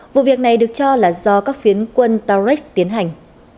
vụ việc này được cho là do các phiến quân taris tiến hành